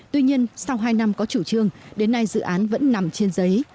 tuy nhiên sau hai năm có chủ trương đến nay dự án vẫn nằm trên giấy